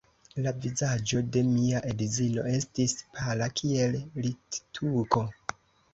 La vizaĝo de mia edzino estis pala kiel littuko.